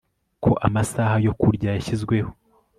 ko amasaha yo kurya yashyizweho